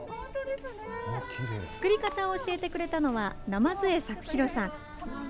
作り方を教えてくれたのは、鯰江作弘さん。